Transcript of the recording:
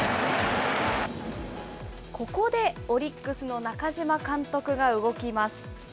ここでオリックスの中嶋監督が動きます。